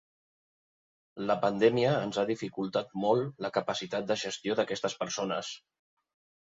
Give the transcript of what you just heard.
La pandèmia ens ha dificultat molt la capacitat de gestió d’aquestes persones.